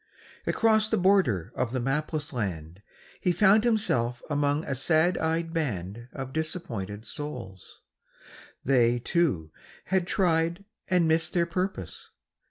Across the border of the mapless land He found himself among a sad eyed band Of disappointed souls; they, too, had tried And missed their purpose.